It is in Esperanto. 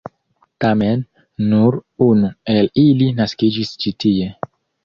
Tamen, nur unu el ili naskiĝis ĉi tie.